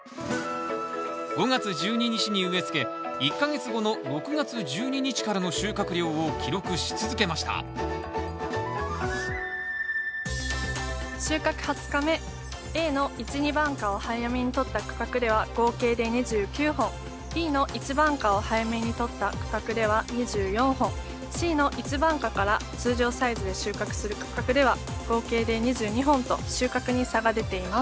５月１２日に植えつけ１か月後の６月１２日からの収穫量を記録し続けました収穫２０日目Ａの１・２番果を早めにとった区画では合計で２９本Ｂの１番果を早めにとった区画では２４本Ｃの１番果から通常サイズで収穫する区画では合計で２２本と収穫に差が出ています。